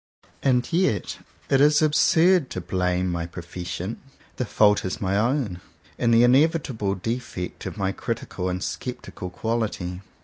And yet it is absurd to blame my pro fession. The fault is my own, and the in evitable defect of my critical and sceptical quality.